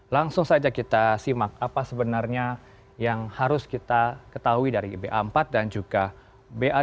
langsung saja kita simak apa sebenarnya yang harus kita ketahui dari ba empat dan juga ba lima